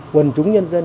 quần chúng nhân dân